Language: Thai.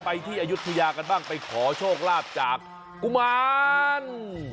ที่อายุทยากันบ้างไปขอโชคลาภจากกุมาร